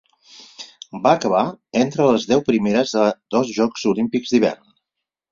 Va acabar entre les deu primeres a dos Jocs Olímpics d'Hivern.